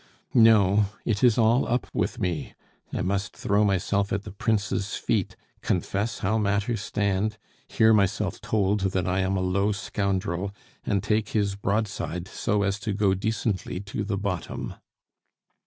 No, it is all up with me; I must throw myself at the Prince's feet, confess how matters stand, hear myself told that I am a low scoundrel, and take his broadside so as to go decently to the bottom."